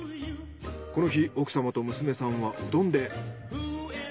この日奥様と娘さんはうどんで。